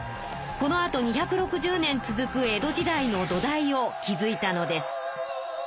このあと２６０年続く江戸時代の土台を築いたのです。